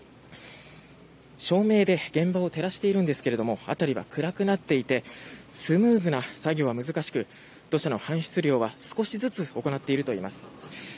照明で現場を照らしているんですが辺りは暗くなっていてスムーズな作業は難しく土砂の搬出量は少しずつ行っているといいます。